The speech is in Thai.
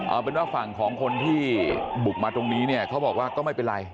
เอาเป็นว่าฝั่งของคนที่บุกมาตรงนี้เนี่ยเขาบอกว่าก็ไม่เป็นไร